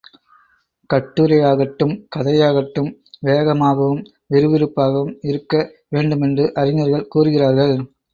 கட்டுரையாகட்டும் கதையாகட்டும் வேகமாகவும் விறுவிறுப்பாகவும் இருக்க வேண்டுமென்று அறிஞர்கள் கூறுகிறார்கள்.